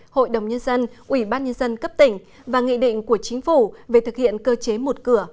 hội đồng nhân dân ủy ban nhân dân cấp tỉnh và nghị định của chính phủ về thực hiện cơ chế một cửa